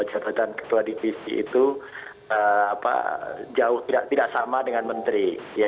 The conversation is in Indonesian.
jabatan ketua divisi itu jauh tidak sama dengan menteri